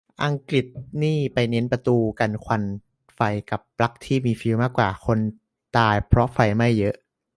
อังกฤษนี่ไปเน้นประตูกันควันไฟกับปลั๊กที่มีฟิวส์มากกว่า คนตายเพราะไฟไหม้เยอะ